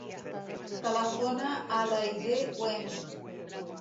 Telefona a l'Aidé Weng.